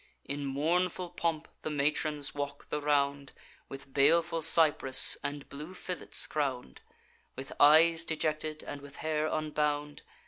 In mournful pomp the matrons walk the round, With baleful cypress and blue fillets crown'd, With eyes dejected, and with hair unbound.